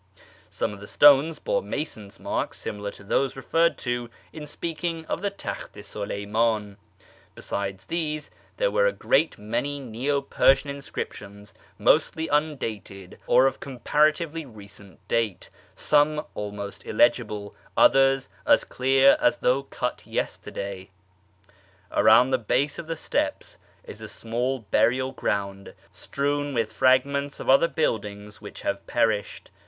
Some of the stones bore mason's marks similar to those referred to in speaking of the Takht i Snleyman. Besides these there were a great many Neo Persian inscriptions, mostly undated, or of comparatively recent date, some almost illegible, others as clear as though cut yesterday. Around the base of the steps is a small burial gi'ound strewn with fragments of other buildings which have perished.